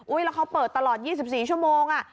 อุ้ยแล้วเขาเปิดตลอด๒๔ชั่วโมงอ่ะ